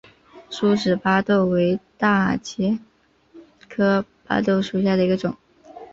疏齿巴豆为大戟科巴豆属下的一个种。